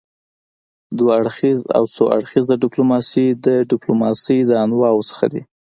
دوه اړخیزه او څو اړخیزه ډيپلوماسي د ډيپلوماسي د انواعو څخه دي.